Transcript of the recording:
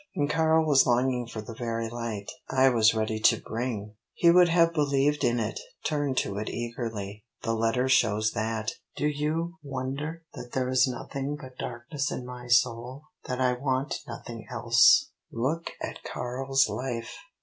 And Karl was longing for the very light I was ready to bring! He would have believed in it turned to it eagerly the letter shows that. Do you wonder that there is nothing but darkness in my soul that I want nothing else? Look at Karl's life!